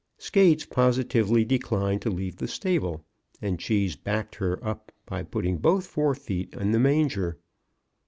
Skates positively declined to leave the stable, and Cheese backed her up by putting both fore feet in the manger.